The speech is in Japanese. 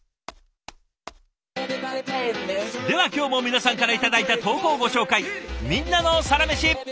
では今日も皆さんから頂いた投稿をご紹介。